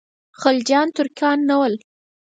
خلجیان ترکان نه ول.